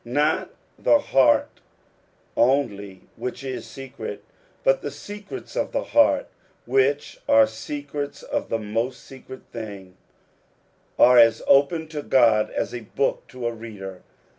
Not the beait only which is secret, but the secrets of the heart, which are secrets of the mot x secret thing, are as open to God as a book to a reader.